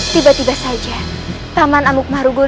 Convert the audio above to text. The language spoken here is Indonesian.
tiba tiba saja paman amuk marugul datang